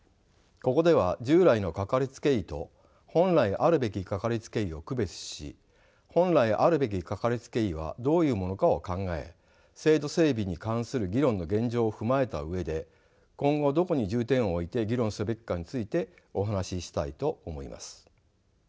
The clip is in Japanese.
ここでは従来のかかりつけ医と本来あるべきかかりつけ医を区別し本来あるべきかかりつけ医はどういうものかを考え制度整備に関する議論の現状を踏まえた上で今後どこに重点を置いて議論すべきかについてお話ししたいと思います。